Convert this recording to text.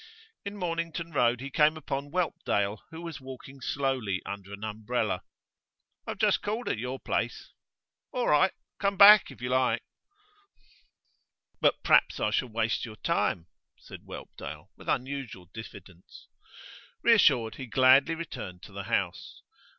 In Mornington Road he came upon Whelpdale, who was walking slowly under an umbrella. 'I've just called at your place.' 'All right; come back if you like.' 'But perhaps I shall waste your time?' said Whelpdale, with unusual diffidence. Reassured, he gladly returned to the house.